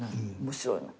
面白いの。